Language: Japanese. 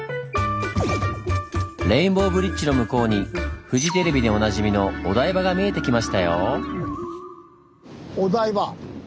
レインボーブリッジの向こうにフジテレビでおなじみのお台場が見えてきましたよ。